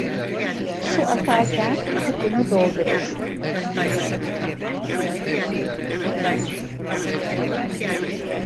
Su akarken küpünü doldurur.